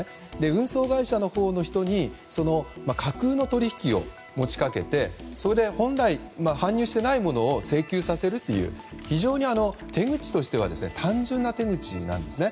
運送会社のほうの人に架空の取引を持ち掛けて、本来搬入していないものを請求させるという非常に手口としては単純な手口なんですね。